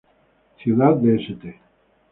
Ciudad de St.